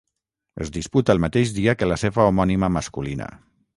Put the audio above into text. És disputa el mateix dia que la seva homònima masculina.